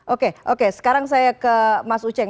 oke oke sekarang saya ke mas uceng